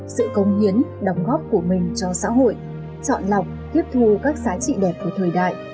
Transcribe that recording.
sự công hiến đóng góp của mình cho xã hội chọn lọc tiếp thu các giá trị đẹp của thời đại